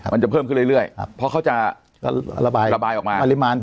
มันจะเพิ่มขึ้นเรื่อยเพราะเขาจะระบายระบายออกมา